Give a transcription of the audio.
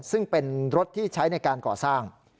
ซึ่งเป็นรถที่ใช้ในการก่อสร้าง